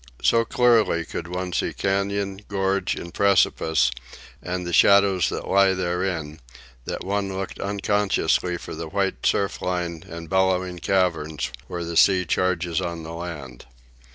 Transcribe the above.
So clearly could one see cañon, gorge, and precipice, and the shadows that lie therein, that one looked unconsciously for the white surf line and bellowing caverns where the sea charges on the land.